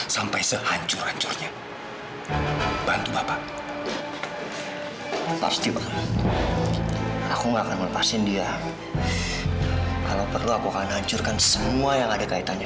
sampai jumpa di video selanjutnya